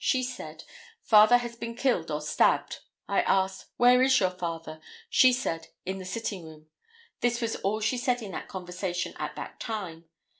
she said, 'Father has been killed or stabbed'; I asked, 'Where is your father?' she said, 'In the sitting room.' That was all she said in that conversation at that time.